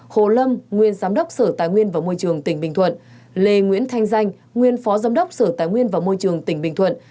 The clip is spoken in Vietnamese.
hai hồ lâm nguyên giám đốc sở tài nguyên và môi trường tỉnh bình thuận lê nguyễn thanh danh nguyên phó giám đốc sở tài nguyên và môi trường tỉnh bình thuận